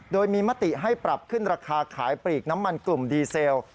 โดยมีมติให้ปรับขึ้นราคาขายปลีกน้ำมันกลุ่มดีเซล